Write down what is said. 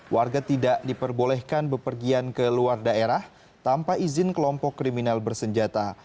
warga tidak diperbolehkan bepergian ke luar daerah tanpa izin kelompok kriminal bersenjata